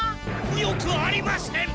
よくありません！